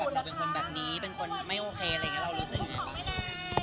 เราเป็นคนแบบนี้เป็นคนไม่โอเคอะไรอย่างนี้เรารู้สึกยังไงบ้าง